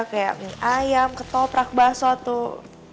kayak mie ayam ketoprak bakso tuh